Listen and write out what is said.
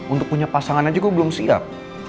untuk punya pasangan aja kok belum siap